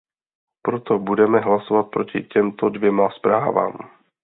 Proto budeme hlasovat proti těmto dvěma zprávám.